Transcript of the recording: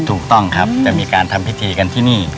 ถูกต้องครับจะมีการทำพิธีกันที่นี่